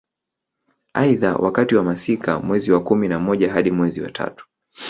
Aidha wakati wa masika mwezi wa kumi na moja hadi mwezi wa tatu